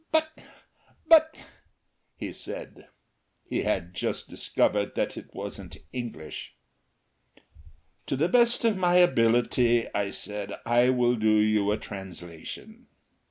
"But but " he said. He had just discovered that it wasn't English. "To the best of my ability," I said, "I will do you a translation."